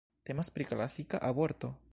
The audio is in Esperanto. Temas pri klasika aborto.